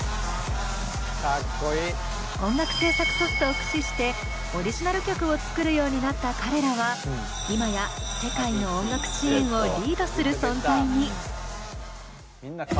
音楽制作ソフトを駆使してオリジナル曲を作るようになった彼らは今や世界の音楽シーンをリードする存在に。